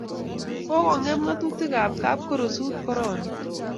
kokongem nga'atutik ab kapkorosut korona